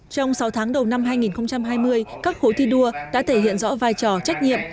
trong sáu tháng đầu năm hai nghìn hai mươi các khối thi đua đã thể hiện rõ vai trò trách nhiệm